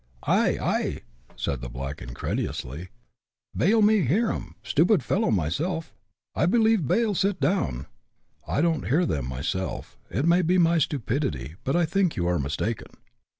" Ay, ay ! said the black, uu;reilulously j <^bale me hear em: stupid fellow myself — I believe bale sit down " (I don't hear them myself; it nuiy be my stupidity, but I think you are uustaken).